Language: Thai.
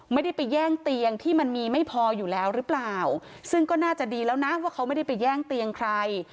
ไม่ได้ไปแย่งเตียงที่มันมีไม่พออยู่แล้วหรือเปล่าซึ่งก็น่าจะดีแล้วนะว่าเขาไม่ได้ไปแย่งเตียงใคร